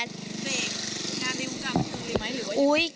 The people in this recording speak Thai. เบรกฮารุกลงหรือไหม